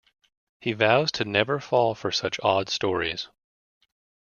He vows to never fall for such odd stories.